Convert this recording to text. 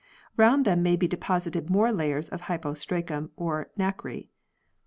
Round them may be deposited more layers of hypostracum or nacre.